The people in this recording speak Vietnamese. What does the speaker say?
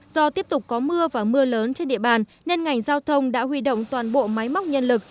do tiếp tục có mưa và mưa lớn trên địa bàn nên ngành giao thông đã huy động toàn bộ máy móc nhân lực